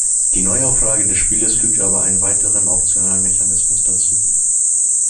Die Neuauflage des Spieles fügt aber einen weiteren optionalen Mechanismus dazu.